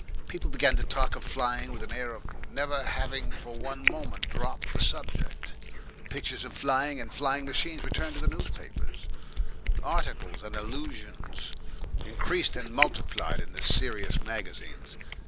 People began to talk of flying with an air of never having for one moment dropped the subject. Pictures of flying and flying machines returned to the newspapers; articles and allusions increased and multiplied in the serious magazines.